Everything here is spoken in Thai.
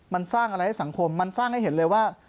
มันสร้างอะไรให้สังคมมันสร้างให้เห็นเลยว่า